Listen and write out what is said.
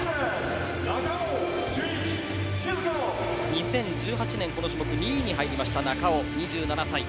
２０１８年、この種目２位に入った中尾、２７歳。